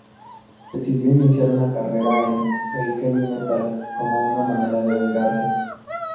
Decidió iniciar una carrera en el "heavy metal" como una manera de vengarse.